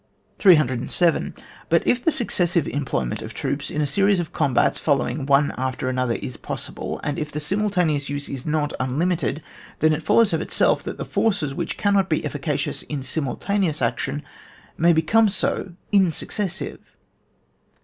307. But if the successive employment of troops in a series of combats following one after another is possible ; and if the simultaneous use is not unL'mited, then it follows of itself that the forces, which cannot be efficacious in simultaneous action, may become so in successive.